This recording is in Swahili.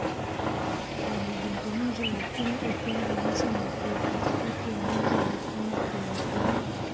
yamezungumzwa lakini ukweli halisi ni huu katikati ya mwezi wa tano kuelekea